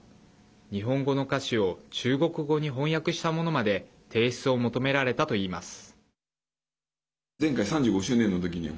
日本語の歌詞を中国語に翻訳したものまで提出を求められたといいます。